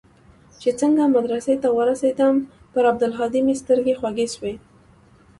چې څنگه مدرسې ته ورسېدم پر عبدالهادي مې سترګې خوږې سوې.